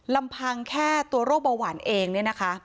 ลำพังแค่ตัวโรคเบาหวานเองเนี่ยนะคะ